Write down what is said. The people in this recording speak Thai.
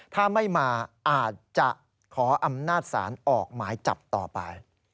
ถ้าไม่มาอาจจะขออำนาจศาลออกหมายจับต่อไป